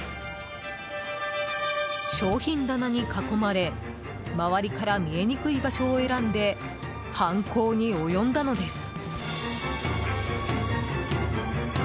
商品棚に囲まれ、周りから見えにくい場所を選んで犯行に及んだのです。